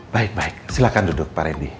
baik baik silahkan duduk pak randy